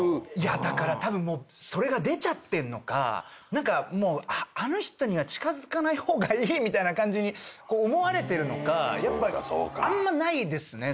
だからたぶんもうそれが出ちゃってんのかあの人には近づかない方がいいみたいな感じに思われてるのかやっぱあんまないですね。